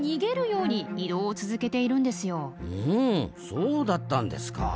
そうだったんですか。